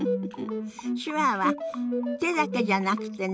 手話は手だけじゃなくてね